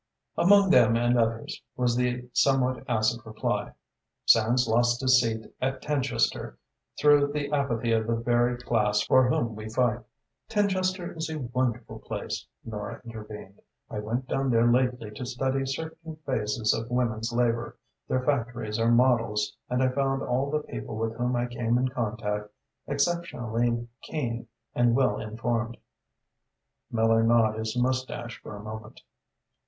"Amongst them and others," was the somewhat acid reply. "Sands lost his seat at Tenchester through the apathy of the very class for whom we fight." "Tenchester is a wonderful place," Nora intervened. "I went down there lately to study certain phases of women's labour. Their factories are models and I found all the people with whom I came in contact exceptionally keen and well informed." Miller gnawed his moustache for a moment.